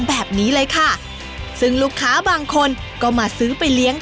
แบบนี้เลยค่ะซึ่งลูกค้าบางคนก็มาซื้อไปเลี้ยง